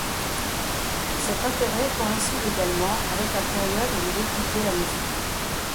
Cet intérêt coïncide également avec la période où il étudiait la musique.